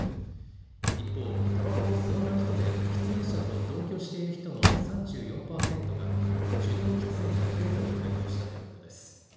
一方、たばこを吸わない人で喫煙者と同居している人の３４％が受動喫煙が増えたと回答したということです。